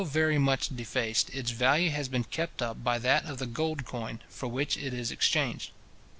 But though very much defaced, its value has been kept up by that of the gold coin, for which it is exchanged.